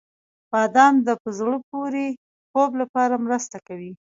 • بادام د په زړه پورې خوب لپاره مرسته کوي.